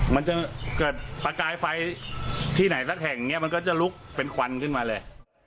มันจะเกิดประกายไฟที่ไหนสักแห่งเนี่ยมันก็จะลุกเป็นควันขึ้นมาเลย